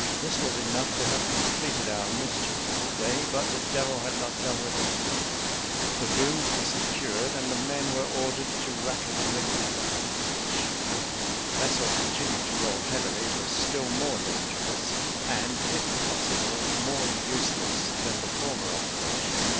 This was enough to have completed our mischief for the day; but the devil had not done with us yet. The booms were secured, and the men were ordered to rattle the rigging down, which, as the vessel continued to roll heavily, was still more dangerous, and, if possible, more useless than the former operation.